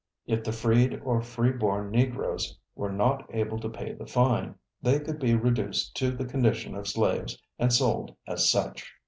If the freed or free born Negroes were not able to pay the fine, they could be reduced to the condition of slaves and sold as such.